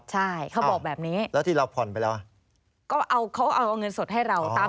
อ๋อเหรอครับ